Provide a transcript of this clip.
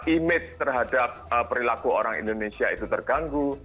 image terhadap perilaku orang indonesia itu terganggu